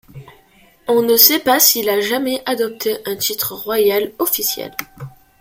On ne sait pas s'il a jamais adopté un titre royal officiel.